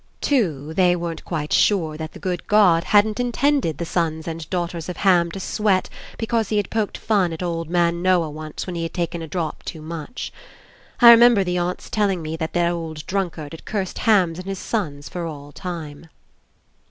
Too, they weren't quite sure that the good God hadn't intended 39 PASSING the sons and daughters of Ham to sweat be cause he had poked fun at old man Noah once when he had taken a drop too much. I remem ber the aunts telling me that that old drunkard had cursed Ham and his sons for all time."